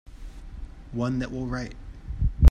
One that will write.